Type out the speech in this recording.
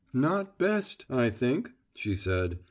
"Not `best,' I think," she said.